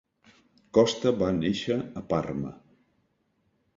Costa va néixer a Parma.